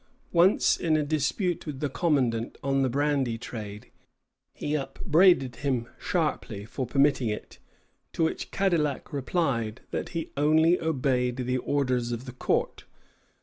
Once, in a dispute with the commandant on the brandy trade, he upbraided him sharply for permitting it; to which Cadillac replied that he only obeyed the orders of the court.